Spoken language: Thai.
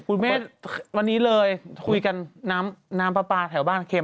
คุณแม่วันนี้เลยคุยกันน้ำปลาปลาแถวบ้านเค็ม